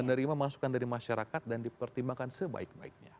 menerima masukan dari masyarakat dan dipertimbangkan sebaik baiknya